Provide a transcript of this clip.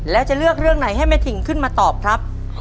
แล้วจะเลือกเรื่องไหนให้แม่ถิ่งขึ้นมาตอบครับ